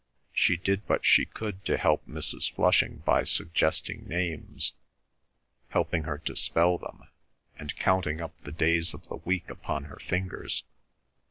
She did what she could to help Mrs. Flushing by suggesting names, helping her to spell them, and counting up the days of the week upon her fingers.